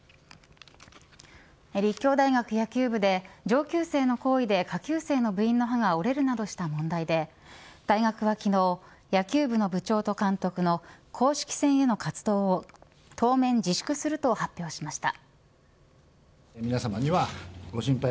立教大学野球部で上級生の行為で下級生の部員の歯が折れるなどした問題で大学は昨日野球部の部長と監督の公式戦への活動を当面自粛すると発表しました。